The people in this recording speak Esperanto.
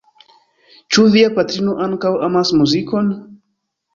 Ĉu via patrino ankaŭ amas muzikon?